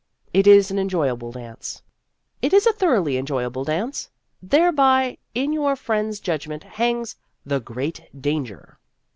It is an enjoyable dance. It is a thoroughly enjoyable dance. Thereby, in your friend's judgment, hangs " The Great Danger